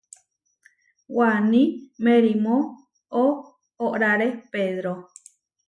Waní merimó oʼórare pedro.